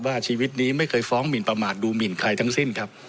ชีวิตนี้ไม่เคยฟ้องหมินประมาทดูหมินใครทั้งสิ้นครับ